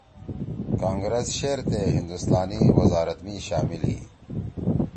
کانگرس شیرتے ہندوستانی وزارت می شامل ہی